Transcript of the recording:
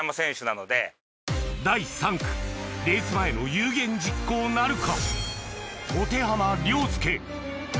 レース前の有言実行なるか？